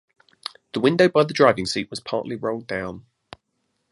The window by the driving seat was partly rolled down.